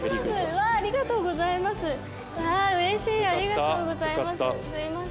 ありがとうございます。